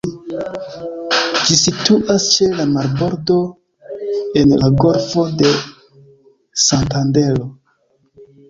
Ĝi situas ĉe la marbordo en la Golfo de Santandero.